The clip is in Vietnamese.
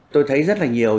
tôi thấy rất là nhiều